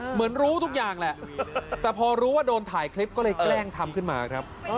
เหมือนรู้ทุกอย่างแหละแต่พอรู้ว่าโดนถ่ายคลิปก็เลยแกล้งทำขึ้นมาครับ